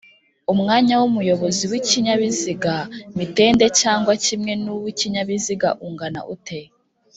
Umwanya w’umuyobozi w’ikinyabiziga mitende cg kimwe n’uwi ikinyabiziga ungana ute